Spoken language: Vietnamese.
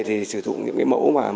thì sử dụng những mẫu